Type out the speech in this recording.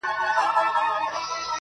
د هغوی به پر اغزیو وي خوبونه!